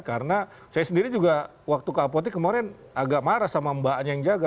karena saya sendiri juga waktu ke apotek kemaren agak marah sama mbaknya yang jaga